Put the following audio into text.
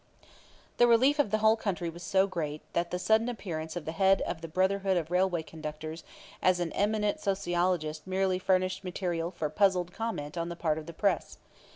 The relief of the whole country was so great that the sudden appearance of the head of the Brotherhood of Railway Conductors as an "eminent sociologist" merely furnished material for puzzled comment on the part of the press.